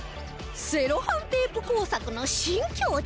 セロハンテープ工作の新境地